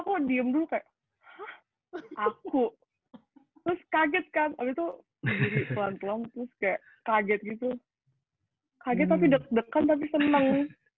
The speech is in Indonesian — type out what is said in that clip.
oh diem dulu kayak aku terus kaget kan waktu itu jadi pelan pelan terus kayak kaget gitu kaget tapi deg degan tapi seneng